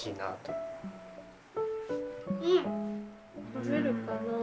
食べるかなあ。